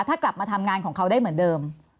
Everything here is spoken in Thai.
ถ้ากลับมาทำงานของเขาได้เหมือนเดิม